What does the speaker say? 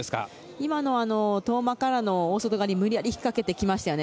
今の遠間からの大外刈り無理やりひっかけてきましたね。